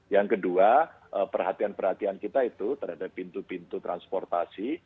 yang kedua perhatian perhatian kita itu terhadap pintu pintu transportasi